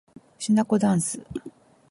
しなこだんす